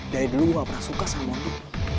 dari dulu gue gak pernah suka sama mondi